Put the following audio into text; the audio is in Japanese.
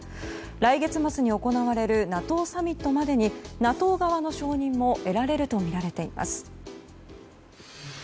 来月末に行われるＮＡＴＯサミットまでにＮＡＴＯ側の承認も得られるとみられています。